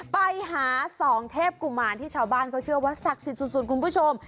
ไปหาสองเทพกุมารที่ชาวบ้านเขาเชื่อว่าศักดิ์สิทธิ์สุดคุณผู้ชม